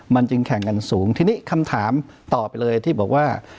มันจึงแข่งกันสูงทีนี้คำถามต่อไปเลยที่บอกว่า